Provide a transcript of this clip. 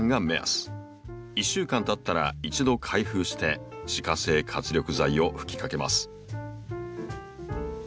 １週間たったら一度開封して自家製活力剤を吹きかけます。